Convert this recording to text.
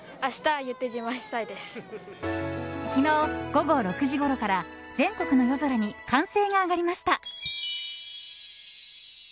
昨日、午後６時ごろから全国の夜空に歓声が上がりました。